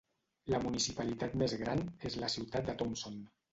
La municipalitat més gran és la ciutat de Thompson.